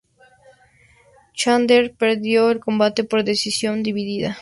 Chandler perdió el combate por decisión dividida.